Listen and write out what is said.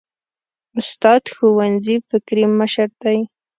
استاد د ښوونځي فکري مشر دی.